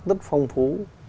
rất phong phú